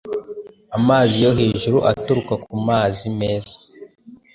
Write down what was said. Amazi yo hejuru aturuka kumazi meza